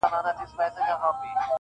جهاني رامعلومېږي د شفق له خوني سترګو-